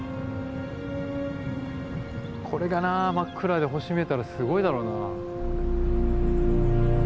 これがな真っ暗で星見えたらすごいだろうなぁ。